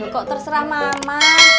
kok terserah mama